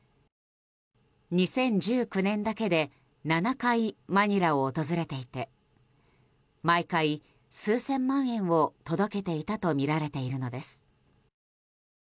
２０１９年だけで７回マニラを訪れていて毎回、数千万円を届けていたとみられているのです。